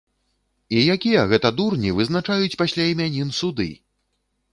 І якія гэта дурні вызначаюць пасля імянін суды?